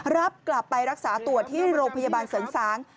รับกลับไปรักษาตัวที่โรงพยาบาลเสริงสาง